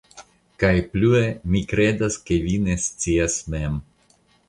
kaj plue mi kredas ke vi ne scias mem.